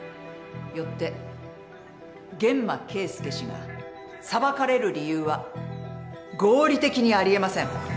よって諫間慶介氏が裁かれる理由は合理的にありえません。